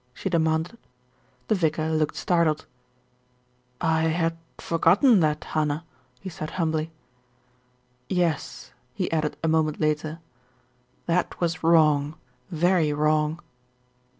she demanded. The vicar looked startled. "I had forgotten that, Hannah," he said humbly. "Yes," he added a moment later, "that was wrong, very wrong."